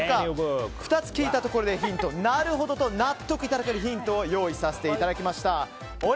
２つ聞いたところでなるほどと納得いただけるヒントを用意しました。